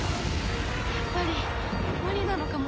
やっぱり無理なのかも。